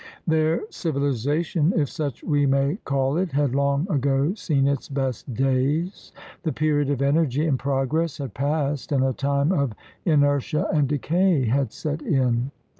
Their civilization, if such we may call it, had long ago seen its best days. The period of energy and progress had passed, and a time of inertia and decay had set in.